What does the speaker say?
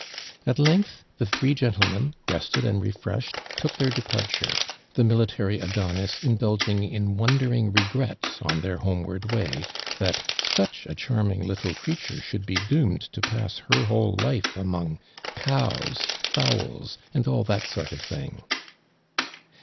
At length the three gentlemen, rested and refreshed, took theirdeparture, the military Adonis indulging in wondering legrets on their homeward way, that '• such a charming little creatin e should be doomed to pass her whole life among cows, fowls, and all that sort of thing."'